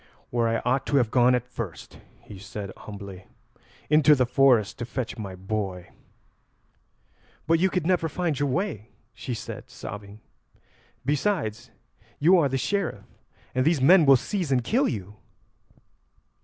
"Where I ought to have gone at first," he said humbly; "into the forest to fetch my boy." "But you could never find your way," she said, sobbing. "Besides, you are the Sheriff, and these men will seize and kill you."